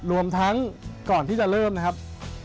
รวมทั้งก่อนที่จะเริ่มนะครับ